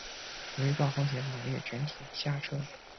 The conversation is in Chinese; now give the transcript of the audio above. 由于暴风雪猛烈全体下撤。